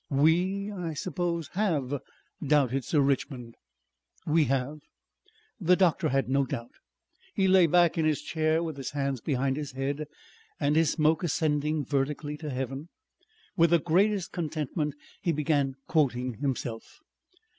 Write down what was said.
"We, I suppose, have," doubted Sir Richmond. "We have." The doctor had no doubt. He lay back in his chair, with his hands behind his head and his smoke ascending vertically to heaven. With the greatest contentment he began quoting himself.